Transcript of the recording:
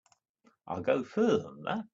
I'll go further than that.